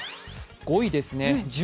５位ですね。